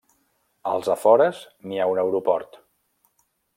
Als afores, n'hi ha un aeroport.